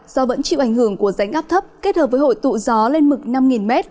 do vẫn chịu ảnh hưởng của rãnh áp thấp kết hợp với hội tụ gió lên mực năm m